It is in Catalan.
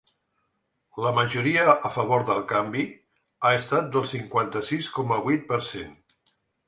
La majoria a favor del canvi ha estat del cinquanta-sis coma vuit per cent.